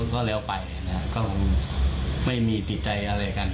ก็แล้วไปนะครับก็คงไม่มีติดใจอะไรกัน